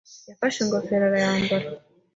yafashe ingofero arayambara.